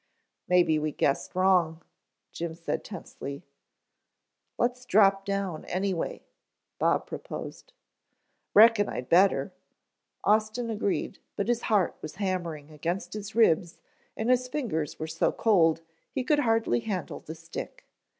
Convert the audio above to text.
"Maybe we guessed wrong," Jim said tensely. "Let's drop down anyway," Bob proposed. "Reckon I'd better," Austin agreed, but his heart was hammering against his ribs and his fingers were so cold he could hardly handle the stick.